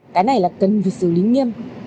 cái này là cần việc xử lý nghiêm